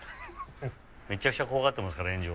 ・めちゃくちゃ怖がっていますから炎上。